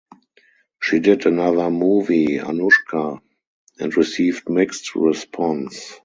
She did another movie "Anushka" and received mixed response.